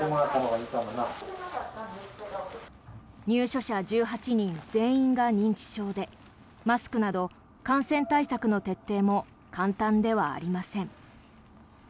入所者１８人全員が認知症でマスクなど感染対策の徹底も簡単ではありません。